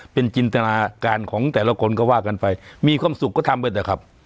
เป็นจินตนาการของแต่ละคนก็ว่ากันไปมีความสุขก็ทำไปเถอะครับ